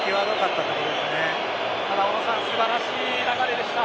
ただ、小野さん素晴らしい流れでした。